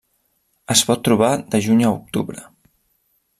Es pot trobar de juny a octubre.